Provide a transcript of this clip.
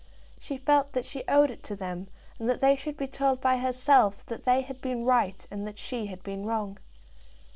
She felt that she owed it to them that they should be told by herself that they had been right and that she had been wrong.